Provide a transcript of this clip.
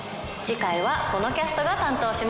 次回はこのキャストが担当します。